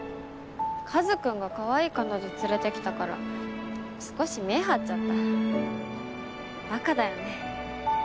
和くんがかわいい彼女連れてきたから少し見栄張っちゃったバカだよね